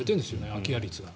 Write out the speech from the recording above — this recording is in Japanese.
空き家率が。